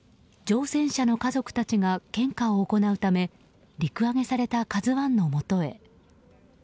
乗船者の家族たちが献花を行うため陸揚げされた「ＫＡＺＵ１」のもとへ。